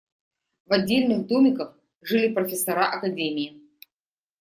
В отдельных домиках жили профессора академии.